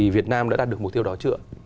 việt nam đã đạt được mục tiêu đó chưa